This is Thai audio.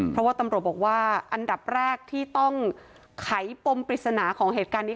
เพราะว่าตำรวจบอกว่าอันดับแรกที่ต้องไขปมปริศนาของเหตุการณ์นี้